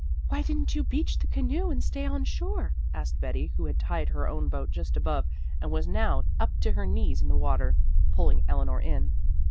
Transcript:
"Why didn't you beach the canoe, and stay on shore?" asked Betty, who had tied her own boat just above and was now up to her knees in the water, pulling Eleanor in.